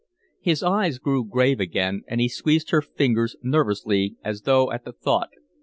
His eyes grew grave again, and he squeezed her fingers nervously as though at the thought.